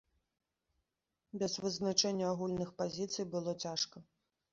Без вызначэння агульных пазіцый было цяжка.